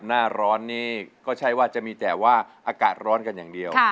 หน้าร้อนนี่ก็ใช่ว่าจะมีแต่ว่าอากาศร้อนกันอย่างเดียว